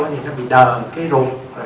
thì nó bị đờ cái ruột